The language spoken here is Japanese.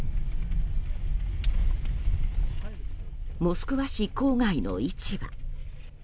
モスクワ市郊外の市場。